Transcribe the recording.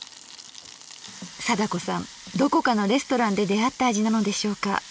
貞子さんどこかのレストランで出会った味なのでしょうか。